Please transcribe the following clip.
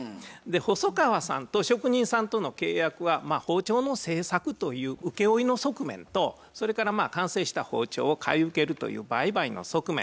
細川さんと職人さんとの契約は包丁の製作という請負の側面とそれから完成した包丁を買い受けるという売買の側面